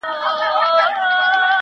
چاویل چي بم ښایسته دی ښه مرغه دی؛